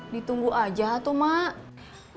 ditunggu aja tuh mak